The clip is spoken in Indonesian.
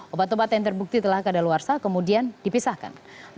obat obat yang terbukti telah kada luarsa kemudian dipisahkan